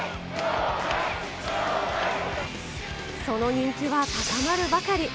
その人気は高まるばかり。